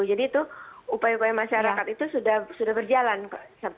jadi itu upaya upaya masyarakat itu sudah berjalan sampai saat ini